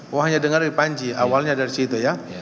wah hanya dengar dari panji awalnya dari situ ya